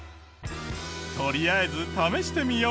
とりあえず試してみよう。